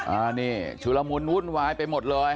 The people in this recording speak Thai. อ่านี่ฉุระมุนวุ่นวายไปหมดเลย